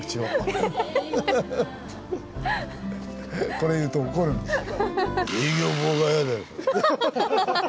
これ言うと怒るんですよ。